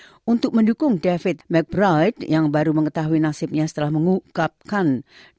demonstran perunjuk rasa di luar gedung mahkamah agung ejt untuk mendukung david mcbride yang baru mengetahui nasibnya setelah mengukapkan dugaan